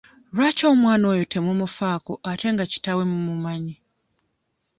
Lwaki omwana oyo temumufaako ate nga kitaawe mumumanyi?